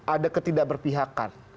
ada ketidak berpihakan